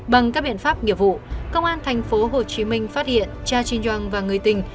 bằng các biện pháp nghiệp vụ công an thành phố hồ chí minh phát hiện cha chin jung và người tình